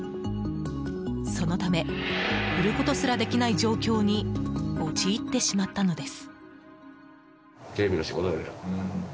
そのため売ることすらできない状況に陥ってしまったのです。